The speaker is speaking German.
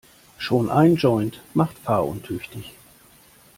Schon ein Joint macht fahruntüchtig.